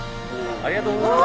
ありがとうございます。